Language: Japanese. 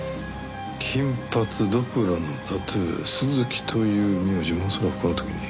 金髪ドクロのタトゥー鈴木という名字も恐らくこの時に。